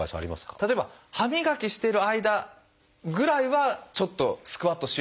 例えば歯磨きしてる間ぐらいはちょっとスクワットしようかなとか。